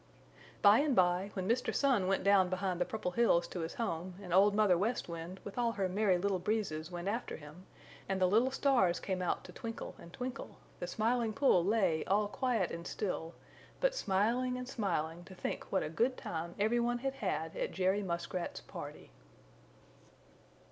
By and by when Mr. Sun went down behind the Purple Hills to his home and Old Mother West Wind with all her Merry Little Breezes went after him, and the little stars came out to twinkle and twinkle, the Smiling Pool lay all quiet and still, but smiling and smiling to think what a good time every one had had at Jerry Muskrat's party.